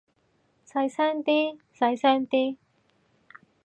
細聲啲，細聲啲